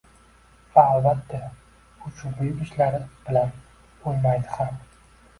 Va, albatta, u shu buyuk ishlari bilan o’lmaydi ham!